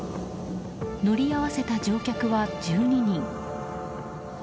乗り合わせた乗客は１２人。